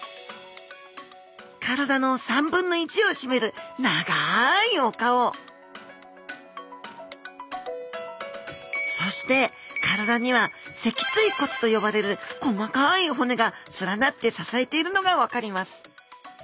体の３分の１を占める長いお顔そして体には脊椎骨と呼ばれる細かい骨が連なって支えているのが分かります